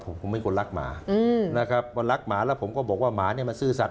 ผมผมเป็นคนรักหมานะครับว่ารักหมาแล้วผมก็บอกว่าหมาเนี่ยมันซื่อสัตว